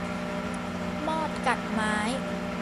มอดกัดไม้